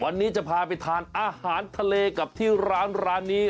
วันนี้จะพาไปทานอาหารทะเลกับที่ร้านนี้